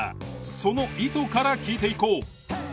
その意図から聞いていこう。